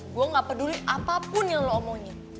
gue gak peduli apapun yang lo omongin